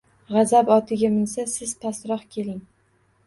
G‘azab otiga minsa, siz pastroq keling.